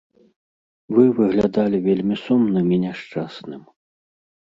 Вы выглядалі вельмі сумным і няшчасным.